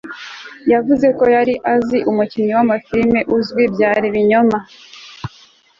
yavuze ko yari azi umukinnyi w'amafirime uzwi, byari ibinyoma